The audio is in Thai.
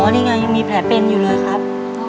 นี่ไงยังมีแผลเป็นอยู่เลยครับ